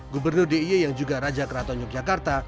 gubernur d i e yang juga raja keraton yogyakarta